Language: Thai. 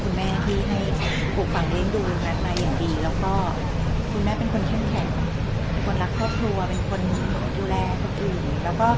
คุณแม่ที่ให้ปลูกฝังเลี้ยงดูแมทมาอย่างดีแล้วก็คุณแม่เป็นคนเข้มแข็งเป็นคนรักครอบครัวเป็นคนดูแลคนอื่นแล้วก็